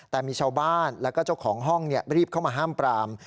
แต่มีชาวบ้านแล้วก็เจ้าของห้องรีบเข้ามาห้ามปราม